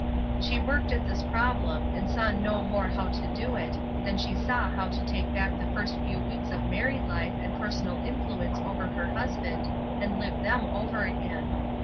She worked at this problem, and saw no more how to do it than she saw how to take back tht first few weeks of married life and persona) influence over her husband and live them ovei again.